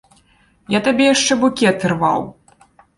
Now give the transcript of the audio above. Я табе яшчэ букет ірваў.